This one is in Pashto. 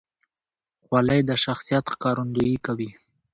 خولۍ د شخصیت ښکارندویي کوي.